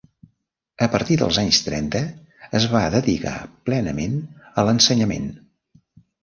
A partir dels anys trenta es va dedicar plenament a l'ensenyament.